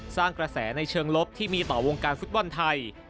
สร้างกระแสในเชิงลบที่มีต่อวงการฟุตบอลไทย